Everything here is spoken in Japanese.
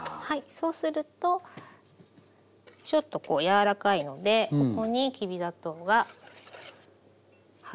そうするとちょっとこう柔らかいのでここにきび砂糖が入りやすくなります。